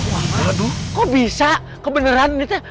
waduh kok bisa kebeneran ini teh